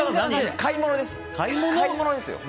買い物ですよ！